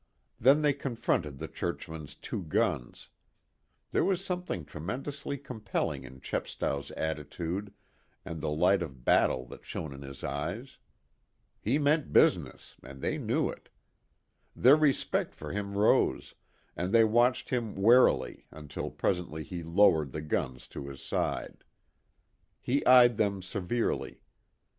Then they confronted the churchman's two guns. There was something tremendously compelling in Chepstow's attitude and the light of battle that shone in his eyes. He meant business, and they knew it. Their respect for him rose, and they watched him warily until presently he lowered the guns to his side. He eyed them severely.